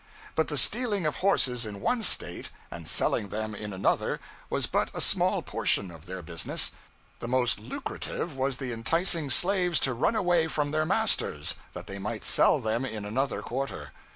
But the stealing of horses in one State, and selling them in another, was but a small portion of their business; the most lucrative was the enticing slaves to run away from their masters, that they might sell them in another quarter.